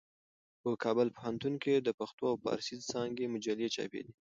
په کابل پوهنتون کې د پښتو او فارسي څانګې مجلې چاپېدې.